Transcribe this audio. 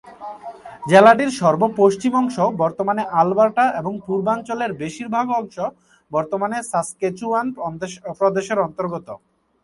জেলাটির সর্ব পশ্চিম অংশ বর্তমানে আলবার্টা এবং পূর্বাঞ্চলের বেশীর ভাগ অংশ বর্তমানে সাসক্যাচুয়ান প্রদেশের অন্তর্গত।